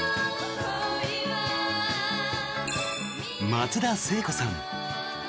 松田聖子さん。